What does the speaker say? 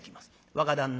「若旦那。